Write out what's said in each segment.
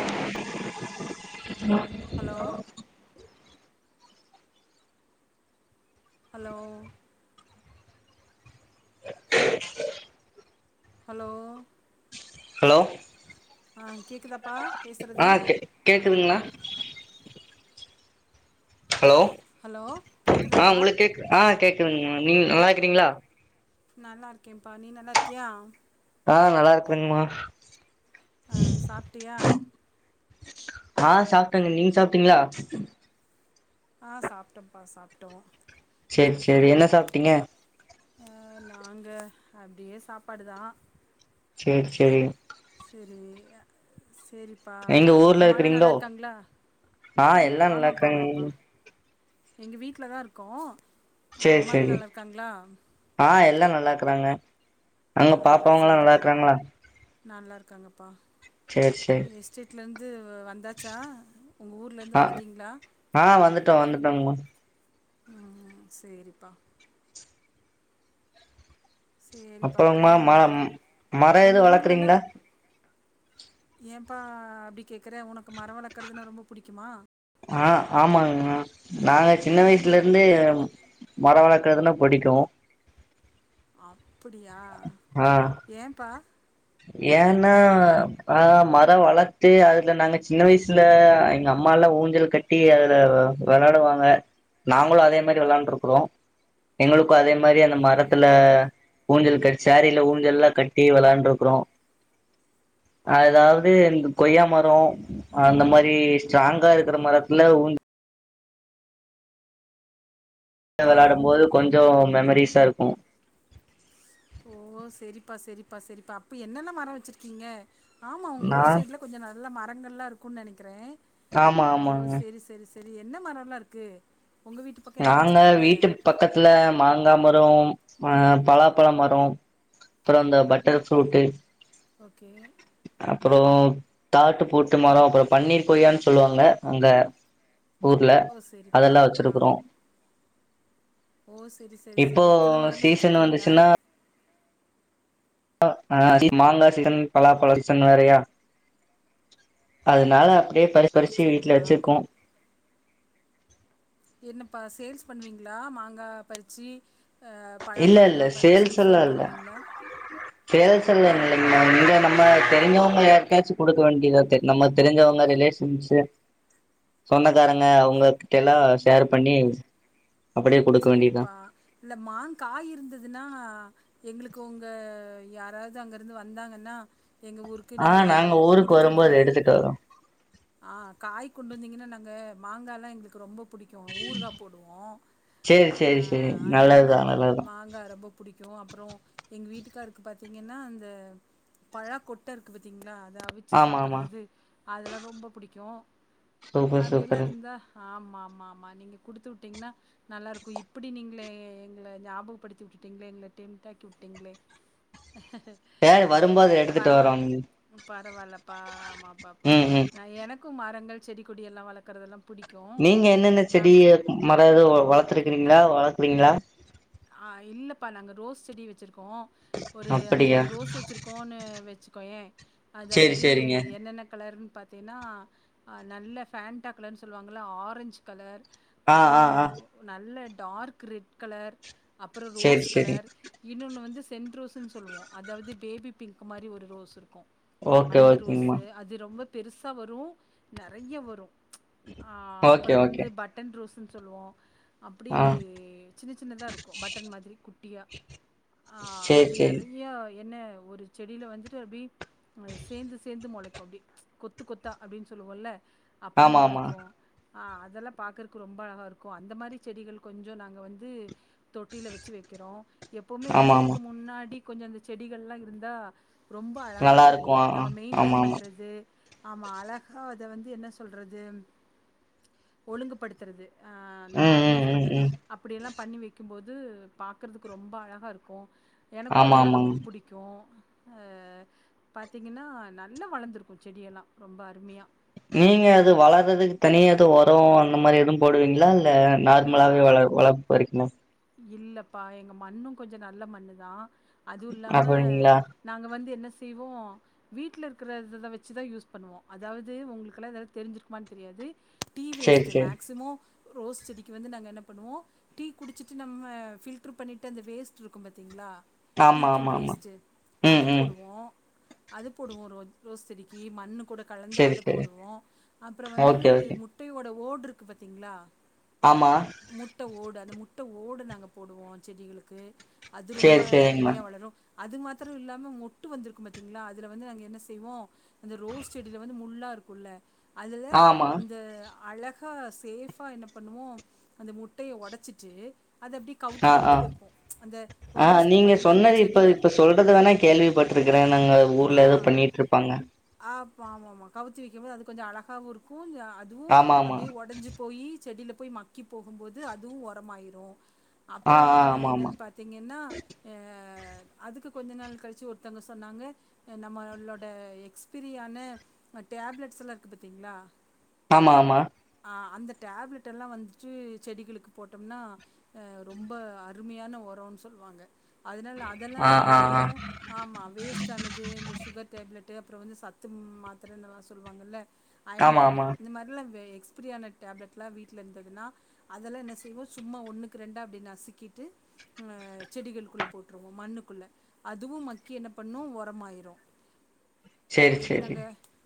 ஆ [unintelligible] hello hello hello ஆஹ கேக்குதா ஆ கேக்குதுங்களா ஹலோ ஹலோ ஆ கேட்குதாப்பா உங்களுக்கு கேக்கு ஆ கேக் [unintelligible] நீங்க நல்லா இருக்கிறீங்களா நல்லா இருக்கேன்ப்பா நீ நல்லா இருக்கியா ஆஹ் நல்லா இருக்குறங்கமா அஹ் சாப்பிட்டியா ஆஹ் சாப்பிட்டங்க நீங்க சாப்பிட்டீங்களா ஆ சாப்ட்டப்பா சாப்ட்டோ சரி சரி என்ன சாப்பிட்டீங்க ஆ நாங்க அப்டியே சாப்பாடு தா சேரி சேரி [unintelligible] சேரிப்பா எங்க ஊர்ல அம்மால்லா நல்லா இருக்கிறீங்களோ இருக்காங்களா ஆ ம் எல்லா நல்லா ஆமாப்பா ஆமாப்பா இருக்காங்க எங்க வீட்ல தா இருக்கோ அ சேரி அம்மால்லா சேரி நல்லா இருக்காங்களா ஆ எல்லா நல்லா இருக்கறாங்க அங்க பாப்பாவுங்கலா நல்லா இருக்கறாங்களா நல்லாருக்காங்க ப் பா சேரி சேரி நெக்ஸ்டு வீட்லருந்து இப்ப வந்தாச்சா உங்க ஊர்ல ஆ இருந்து வந்துட்டீங்களா ஆ வந்துட்டோ வந்துட்டோங்கமா ஆ சேரிப்பா சரிப்பா அப்புறங்கம்மா அப்புறம் மரம் மர எது வளக்குறீங்ளா ஏம்பா அப்படி கேக்குற உனக்கு மர வளக்கறதுன்னா ரொம்ப புடிக்குமா ஆஹ் ஆமாங்ம்மா நாங்க சின்ன வயசுல இருந்து மர வளக்கறதுன்னா புடிக்கு ஆப் அப்புடியா ஏம்பா ஏனா ஆஹ் மரம் வளத்து அதுல நாங்க சின்ன வயசுல எங்க அம்மா எல்லா ஊஞ்சல் கட்டி அதுல விளாடுவாங்க நாங்களு அதே மாதிரி விளாண்ட்ருக்கிறோ எங்களுக்கு அதே மாரி அந்த மரத்துல ஊஞ்சல் கட் சேரில ஊஞ்சல் எல்லா கட்டி விளையாண்டுருக் கிறோ அதாவது இந்த கொய்யா மர அந்த மாதிரி ஸ்ட்ராங்கா இருக்கிற மரத்துல ஊ ஞ்ச பா விளாடு போது கொஞ்சோ மெமரிஸ் இத்தாருக்கு ஓ சரிப்பா சரிப்பா சரிப்பா அப்ப என்னென்ன மர வச்சிருக்கீங்க ஆமா உங்க நா ஊர் சைட்ல கொஞ்ச நல்ல ம ரங்கள்லா இருக்குன் நெனைக்கிறே ஆமா ஆமாங்க சரி என்ன மரம்ல்லா இருக்கு நாங்க வீட்டு பக்கத்துல மாங்காம ரோ அஹ் பலாப்பழ மரோ அப்புற இந்த பட்டர்ஃப்ரூட்டு் ஓகே அப்புறோ தாட்டு பூட்டு மரோ அப்புறோ பன்னீர் கொய்யான் சொல்லுவாங்க அங்க ஊர்ல ஓ சரிப்பா அதெல்லா ஆ வச்சிருக்கிறோ ஓ செரி செரி செரி இத்தன மரங்கள் சீசன் வச்சிருக்கீங்களா வந்துச்சுன்னா ஆ மாங்காய் சீசன் பலாப்பழ சீசன் வேறையா அதனால அப்படியே பறிச் ஓ பறிச்சு வீட்டுல சரிப்பா வச்சிருக்கோ என்னப்ப சேல்ஸ் பண்ணுவீங்களா மாங்கா பறிச்சி இல்ல இல்ல சேல்ஸ் எல்லா இல்ல பண்ணுவீங்களா சேல்ஸ் எல்ல ஆ இங்க நம்ம தெரிஞ்சவங்க யார்க்காச்சு கொடுக் வேண்டியதா நம்ம தெரிஞ்சவங்க ரிலேஷன்ஸு சொந்தக்காரங்க அவுங்க கிட்டலா ஷேர் பண்ணி அப்படியே குடுக்க வேண்டியதா செரிப்பா இல்ல மாங்க காய் இருந்ததுன்னா எங்களுக்கு உங்க யாராவது அங்கருந்து வந்தாங்கன்னா எங்க ஊருக்கு ஆ நீங்க நாங்க ஊருக்கு குடுத்து வரும்போது வுடுங்க எடுத்துட்டு வரோ ஆ காய் கொண்டு வந்தீங்கன்னா நாங் க மாங்கா எல்லா எங்களுக்கு ரொம்ப புடிக்கு ஊறுகா போடுவோ செரி ஆ செரி செரி நல்லதுதா நல்லதுதா க்கு அப்புறோ எங்க வீட்டுக்கார்க்கு பாத்தீங்கனா அந்த பழா கொட்ட இருக்கு பாத்தீங்களா அத அவிச்சு ஆமா ஆமா சாப்பிட்றது அதெலா ரொம்ப புடிக்கு சூப்பர் அப்டியெல்லா சூப்பரு இருந்தா ஆம் ஆமா ஆமா நீங்க குடுத்து விட்டீங்கனா நல்லா இருக்கு இப்டி நீங்கள எங்கள ஞாபகப்படுத்தி விட்டுட்டீங்களே எங்கள டெம்ட் ஆக்கி விட்டீங்களே சேரி ந வரும்போது எடுத்துட்டு வரோ பரவால்ல பரவால்லப்பா ஆமா பாப்பா ம் ம் நா எனக் கு மரங்கள் செடி கொடி எல்லா வளக்கறதெல்லா நீங்க என்னென்ன செடிய மறது வள பாத்துருக்கிறீங்களா வளக்குறீங்களா ஆ இல்லப்பா நாங்க ரோஸ் செடி வச்சிருக் கோ ஒரு அப்படியா அஞ்சாறு ரோஸ் வச்சிருக்கோனு வச் கொய்ய சேரி அதாவது சேரிங்க என்னென்ன கலர்ன் பாத்தீன்னா அ நல்ல ஃபேன்ட்டா கலர்ன் சொல்லுவாங்க இல்ல ஆரஞ்ச் கலர் ஆ அப்றோ ஆ ஆ நல்ல டார்க் ரெட் கலர் அப்புறோ சேரி ரோஸ் சேரி கலர் இன்னொன்னு வந்து சென்ட் ரோஸ்ன்னு சொல்லுவோம் அதாவது பேபி பிங்க் மாரி ஒரு ரோஸ் இருக்கும் ஓகே அந்த ஓகேங்கம்மா ரோஸ்ஸு அது ரொம்ப பெருசா வரும் நெறைய வரும் ச் ஆஹ் ஓகே அப்புறம் வந்து ஓகே பட்டன் ரோஸ் னு சொல்லுவோம் அப்டி ஆ சின்ன சின்னதா இருக்கும் பட்டன் மாரி குட்டியா சேரி அது சேரி நெறையா என்ன ஒரு செடில வந்துட்டு அப்டி சேந்து சேந்து மொளைக்கும் அப்டி ச் கொத்து கொத்தா அப்டின்னு சொல்லுவோல அப்டி ஆமா ஆமா மொளைக்கும் அதெல்லாம் பாக்குறக்கு ரொம்ப அழகாக இருக்கும் அந்த மாரி செடிகள் கொஞ்சோ நாங்க வந்து தொட்டில வச்சு வைக்கிறோம் எப்பவுமே ஆமா ஆமா வீட்டுக்கு முன்னாடி கொஞ்சோ அந்த செடிகல்லா இருந்தா ரொம்ப அழகாக நல்லா இருக்கு இருக்கும் ஆ நம்ம ஆமா மெயின்டென் ஆமா பண்றது ஆமா அழகா அத வந்து என்ன சொல்றது ஒழுங்குபடுத்துறது ஆஹ் அந்த ம் ம் ஆர்கனைஸ் ம் பண்றது ம் அப்டியெல்லாம் பண்ணி வைக் கும்போது பாக்குறதுக்கு ரொம்ப அழகா இருக்கும் எனக்கும் ஆமா அதெல்லாம் ரொம்ப ஆமாங்க புடிக்கும் ஆஹ் பாத்தீங்கன்னா நல்லா வளர்ந்துருக்கும் செடியெல்லாம் ரொம்ப அருமையா நீங்க அது வளர்றதுக்கு தனியா எது உரம் அந்த மாதிரி எதுவும் போடுவீங்களா இ இல்ல ஆ நார்மலாவே வள வளர்ப்பு பறிக்குமா இல்லப்பா எங்க மண்ணும் கொஞ்ச நல்ல மண்ணு தான் அதுவும் இல்லாம அப்படிங்களா நாங்க வந்து என்ன செய்வோம் வீட்ல இருக்கறதத வச்சு தான் யூஸ் பண்ணுவோம் அதாவது உங்களுக்கெல்லாம் எதாவது தெரிஞ்சிருக்குமான்னு தெரியாது டீ சேரி வேஸ்டு சேரி மேக்சிமோ ரோஸ் செடி க்கி வந்து நாங்க என்ன பண்ணுவோ டீ குடுச்சுட்டு நம்ம ஃபில்ரு பண்ணிட்டு அந்த வேஸ்டு இருக்கும் பாத்திங்ளா ஆமா டீத்தூள் ஆமா ஆமா வேஸ்டு ம் அது ம் போடுவோ அது போடுவோம் ரோ ரோஸ் செடிக்கு மண்ணு கூட கலந்து சேரி அது சேரி போடுவோம் அப்புறம் வந்து ஓகே ஓகே முட்டையோட ஓ டு இருக்கு பாத்தீங்களா ஆமா முட்ட ஓடு அந்த முட்டை ஓடு நாங்க போடுவோம் செடிகளுக்கு அது ரொம்ப சேரி சேரிங்கம்மா அருமையா வளரும் அது மாத்திரோ இல்லாம மொட்டு வந்திருக்கூ பாாத்தீங்ளா அதுல வந்து நாங்க என்ன செய்வோ அந்த ரோஸ் செடில வந்து முள்ளா இருக்கூல்ல அதுல ஆமா இந்த அழகா சேஃபா என்ன பண்ணுவோ அந்த முட்டைய ஒடைச்சிட்டு அ அ ஆ ரோஸ்க்கு நீங்க பதிலாக அந்த சொன்னது இப்ப செடியோட இப்ப சொல்றது வேணா கேள்விப்பட்ருக்றே நாங்க ஊர்ல ஏதோ பண்ணிட்ருப்பாங்க அப் ஆமாமா கவித்து வெக்கும்போது அது கொஞ்சோ அழகாவூ இருக்கூ யா அதுவூ ஆமா ஆமா அப்டியே ஒடஞ்சு போயி செடியில போய் மக்கி போகும் போது அதுவூ ஒரமாயிரூ ஆ அப்றோ ஆ ஆமா ஆமா என்னன் பாத்தீங்கன்னா ஆ அதுக்கு கொஞ்சோ நாள் கழிச்சு ஒருத்தவ்ங்க சொன்னாங்க நம்மளோட எக்ஸ்பிரியான டேப்லெட்ஸ்லா இருக்கு பாத்தீங்ளா ஆமா ஆமா ஆ அந்த டேப்லெட் எல்லா வந்துட்டு செடிகளுக்கு போட்டம்னா ரொம்ப அருமையான ஒரோன் சொல்லுவாங்க அதுனால் அதெல்லா ஆ நாங்க என்ன ஆ ஆ பண்ணுவோ ஆமா வேஸ்ட் ஆனத் ஏ இந்த சுகர் டேப்லெட் அப்றோ வந்து சத்தும் மாத்திரனுல்லா சொல்லுவாங்கல்ல அயன் ஆமா ஆமா டேப்லெட் இந்த மார்லா வெ எ க்ஸ்ப்ரி ஆன டேப்லட்லா வீட்ல இருந்ததுன்னா அதெல்லா என்ன செய்வோ சும்மா ஒன்னுக்கு ரென்டா அப்டியே நசுக்கிட்டு ஆ செடிகளுக்குள்ள போட்டுருவோ மண்ணுக்குள்ள அதுவூ மக்கி என்ன பண்ணூ ஒரமாய் யிரூ சேரி இப்டி சேரி நாங்க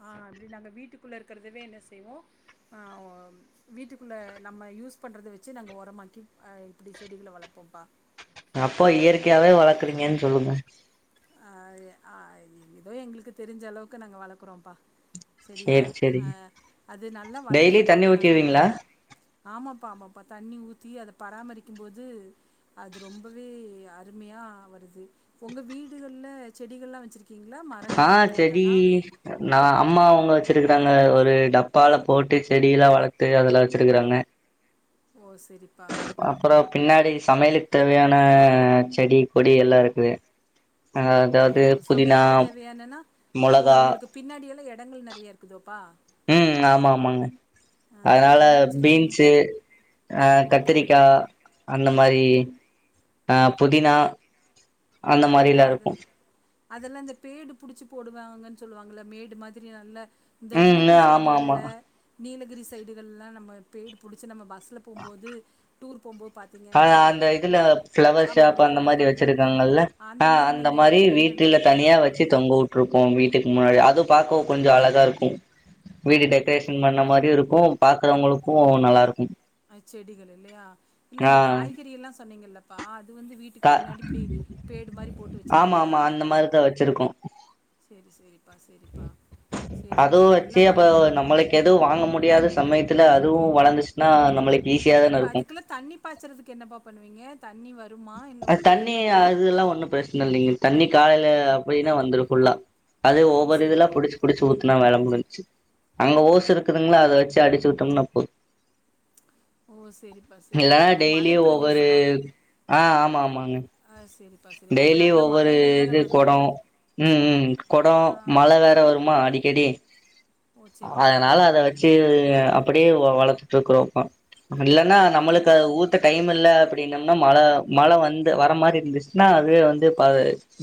ஆ அ ப்டி நாங்க வீட்டுக்குள்ளே இருக்கிறதவே என்ன செய்வோ ஆ ஒ வீட்டுக்குள்ளே நம்ம யூஸ் பண்றத வச்சு நாங்க ஒரமாக்கி இப்டி செடிகள வளப்போம்ப்பா அப்போ இயற்கையாவே வளக்குறீங்கன் சொல்லுங்க ஆ எ ஆ எதோ எங்களுக்கு தெரிஞ்சளவுக்கு நாங்க வளக்குறோம்ப்பா செரிங்ல சேரி சேரி ஆ அது நல்லா டெய்லி வளருதுப்பா தண்ணி நல்ல ஊத்திருவீங்களா ஆமாப்பா ஆமாப்பா தண்ணி ஊத்தி அத பராமரிக்கும்போது அது ரொம்பவே அருமையா வருது உங்க வீடுக ல்ல செடிகள்ல்லா வச்சிருக் ஆ செடி நா அம்மா உங்க சிருக்கறாங்க ஒரு டப்பால போட்டு செடியெல்லா வளத்து அதுல வச்சிருக்கறாங்க ஓ சரிப்பா அப்றோ பின்னாடி சமையல்க்கு தேவையான செடி கொடி எல்லா இருக்கு அ அதாவ்து புதினா என்னன்னா ஓய் மொளகா உங்களுக்கு பின்னாடி எல்லா எடங்கள் நறைய இருக்குதோப்பா ம் ஆமா ஆமாங்க ஆ அத்னால என்ன வச்சிருக்கிறீங்க பீன்ஸு ஆ ஓகே கத்திரிக்கா அந்தம் பாதி ஆ புதினா அந்த ஓ மாரிலா அது இருக்கூ அதெல்லா இந்த பேடு புடிச்சு போடுவாங்கன் சொல்லுவாங்கள மேடு மாதிரி நல்லா இந்த ம் ஊட்டி ஆமா ஆமா சைடுகள்ல நீலகிரி சைடுகள்லா நம்ம பெய்டு புடிச்சு நம்ம பஸ்ல போம்போது டூர் போம்போது ஆ பாத்தீங்கன்னா அப்டி அந்த இதுல ப பிளவர் ஆமா ஷாஃப் அப்டி அந்த மாரி போட்ருப்பாங்க வச்சிருக்காங்கல்ல ஆஹ் அந்த நீங்க மாரி மெயின்டென் வீட்டுல பண்ணுவீங்களோ தனியா வச்சு தொங்க வுட்டுருப்போ வீட் டுக்கு முன்னாடி அதும் பாக்க கொஞ்சொ அழகா இருக்கும் வீடு டெக்கரேஷன் பண்ண மாரியு இருக்கும் பாக்கறவங்களுக்கு நல்லா இருக்கும் அது செடிகள் இல்லயா இல்ல இந்த காய்கறி எல்லா சொன்னீங்கல்லப்பா வந்து க வீட்டுக்கு பின்னாடி இப்டி பேடு மாரி போட்டு வச்சிருக்கீங்களா ஆமாமா அந்த மாதிரிதா வச்சிருக்கோ சேரி சேரிப்பா சேரிப்பா சேரி அப்போ அதுவு நல்லா வச்சு அப்ப வளரு நம்மளுக்கு எதுவு வாங்க முடியாத சமயத்து ல அதுவு வளர்ந்துச்சுன்னா நம்மளுக்கு ஈஸியா இப்ப தான இருக்கு அதுக்குல்லா தண்ணி பாய்ச்சறதுக்கு என்னப்பா பண்ணுவீங்க தண்ணி வருமா இல்ல உங்க தண்ணி கிளைமேட்டு அதுல்லா ஒண்ணு பிரச்சன இல்லைங்க தண்ணி காலையில அப்படின்னா வந்துரு ஃபுல்லா அது ஓ ஒவ்வொரு சேரி இதுல்லா புடிச்சு புடிச்சு ஊத் ன்ன வேல முடிஞ்ச்சு அங்க ஓசு இருக்குதுங்களா அத வச்சு அடிச்சு வுட்டோம்னா போது ஓ சரிப்பா சரிப்பா இல்லன்னா இது மலை பிரதேசமா ஆஹ் ஆமா ஆமாங்க ஆ சேரிப்பா சேரிப்பா அப்ப டெய்லி நல்லா ஒவ்வொரு மழைகள் வேற இது வரு கொடொ உம் ம் கொடொ ஆ மழ வேற வருமா அடி செடி ஓ சேரிப்பா அதனால அத வச்சு அப் ப்படியே வ வளர்த்துட்டு இருக்கிறோங்க்கா இல்லன்னா நம்மளுக்கு அது ஆமாப்பா ஊத்த டைம் இல்ல அப் என்னனா மழ மழ வந்து வர மாரி இருந்துச்சுன்னா அது வந்து பா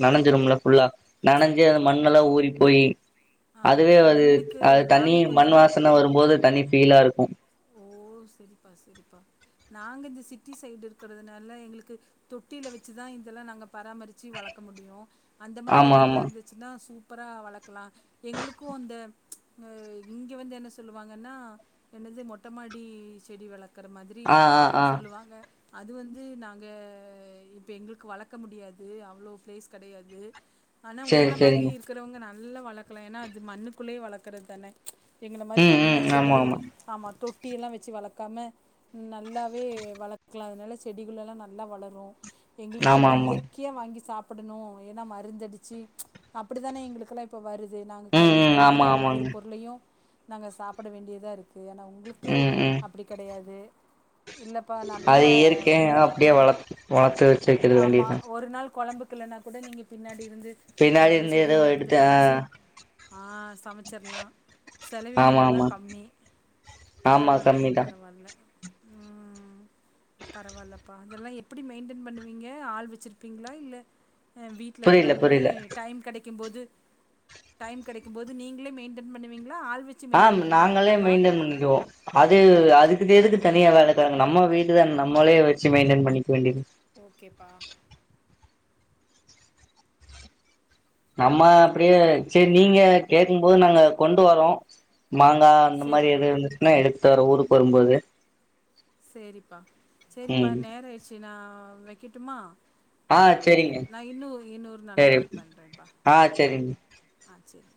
நனைஞ்சிரும்ல ஃபுல்லா நனைஞ்சு அது மண்ணெல்லா ஊறி போய் அதுவே ஆமப்பா அது எங்குளுக்கு அது தனி மண் வாசன வரும்போது தனி ஃபீலா இருக்கு ஓ செரிப்பா செரிப்பா நாங்க இந்த சிட்டி சைடு இருக்கறதுனால எங்களுக்கு தொட்டில வச்சுதா இதெல்லா நாங்க பராமரிச்சு வளக்க முடியு அந்த மாதிரி ஆமா எடங்கள்லா ஆமா இருந்துச்சுன்னா சூ ப்பரா வளக்கலா எங்களுக்கு அந்த அ இங்க வந்து என்ன சொல்லுவாங்கன்னா என்னது மொட்ட மாடி டி செடி வள இருக்கற மாதிரி ஆ ஆ ஹ ஆ சொல்லுவாங்க அது வந்து நாங்க இப்ப எங்களுக்கு வளக்க முடியாது அவ்வளோ பிளேஸ் கெடையாது ஆனா சரி உங்கள மாரி சரிங்க இருக்குறவங்க நாங்க நல்லா வளர்க்கலாம் ஏன்னா அது மண்ணுக்குள்ளே வளக்கறது தானே எங்கள மாரி ம் தனியா ம் ஆமா செடிகள் ஆமா தொட் ட்டியெல்லாம் வச்சு வளக்காம நல்லாவே வளக்கலாம் அதனால செடிகள்ளெல்லாம் நல்லா வளரும் எங்களுக்கும் ஆமா அப்டி ஆமா இயற்கையா வாங்கி சாப்பிட படணும் ஏன்னா மருந்தடிச்சு அப்படித்தானே எங்களுக்குெல்லாம் இப்ப வருது து நாங்க ம் கழுவி ம் ஆமா கழுவிதான் ஒவ்வொரு ஆமாங்க பொருளையும் நாங்க சாப்பிட வேண்டியதா இருக்கு ஏன்னா க்கு ம் ம் அப்டி கெடையாது இல்லப்பா நல்ல அது இயற்கையா உங்களுக்கு அப்டியே வளத் வளர்த்து வச்சிருக்கிறது வேண்டியதான் க்கிளனா கூட நீங்க பின்னாடி இருந்து ஏதாவது இருந்து ஏதோ செடியில இருந்து எடுத்து பறிச்சு ஆ ஆ சமச்சிர்லாம் ஆமா ஆமா செலவினங்கள்லாம் கம்மி ஆமா பரவாயில்லப்பா கம்மிதா பரவால்ல ம் பரவாயில்ப்பா அதெல்லாம் எப்டி மெயின்டென் பண்ணுவீங்க ஆள் வச்சிருப்பீங்களா இல்ல வீட்ல புரில இருக்கிறவங்களே புரில டைம் கடைக் கும் போது டைம் கடைக்கும் போது நீங்களே மெயின்டென் பண்ணுவீங்களா ஆள் வச்சு ஆ மெயின்டென் நாங்களே பண்ணுவீங்களாப்பா மெயின்டெயன் பண்ணிடுவோம் அது அதுக்கெதுக்கு தனியா வேல தறாங்க நம்ம வீட்டுதான நம்மளே வச்சு மெயின்டெயன் பண்ணிக்க வேண்டியது ஓகேப்பா நம்ம அப்டியே சரி நீங்க கேக்கும்போது நாங்க கொண்டு வரோம் மாங்காய் அந்த மாரி சேரிப்பா எது இருந்துச்சுன்னா எடு த்தர ஊருக்கு வரும்போது சரிப்பா சரிப்பா ம் நேர ஆயிடுச்சுனா வைக்கிட்டுமா ஆ சேரிங்க நான் இன்ன இன்னொரு நாள் சேரி கால் பண்றேன்ப்பா ஆ சரிப்பா சேரிங்க ஆ சரி